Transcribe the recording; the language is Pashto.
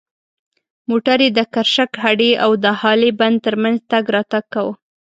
موټر یې د کرشک هډې او د هالې بند تر منځ تګ راتګ کاوه.